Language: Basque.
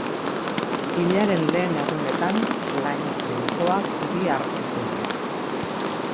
Hilaren lehen egunetan laino trinkoak hiria hartu zuen.